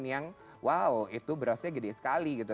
yang wow itu berasnya gede sekali gitu